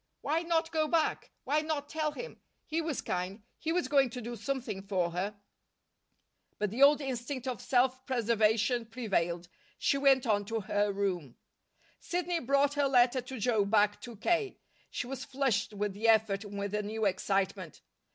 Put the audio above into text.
Why not go back? Why not tell him? He was kind; he was going to do something for her. But the old instinct of self preservation prevailed. She went on to her room. Sidney brought her letter to Joe back to K. She was flushed with the effort and with a new excitement.